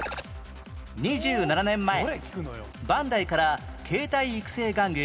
２７年前バンダイから携帯育成玩具